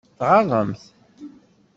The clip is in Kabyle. Tɣaḍem-t?